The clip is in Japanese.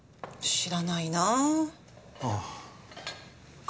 知らないなあ。